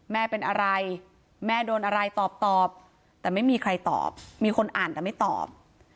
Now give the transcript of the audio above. แม่เป็นอะไรแม่โดนอะไรตอบตอบแต่ไม่มีใครตอบมีคนอ่านแต่ไม่ตอบ